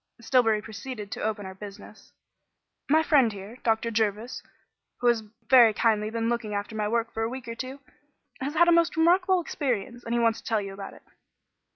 Stillbury proceeded to open our business. "My friend here, Dr. Jervis, who has very kindly been looking after my work for a week or two, has had a most remarkable experience, and he wants to tell you about it."